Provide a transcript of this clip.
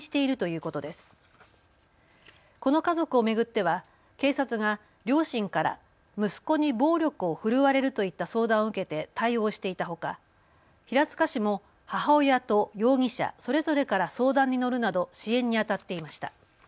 この家族を巡っては警察が両親から息子に暴力を振るわれるといった相談を受けて対応していたほか、平塚市も母親と容疑者、それぞれから相談に乗るなど支援にあたっていました。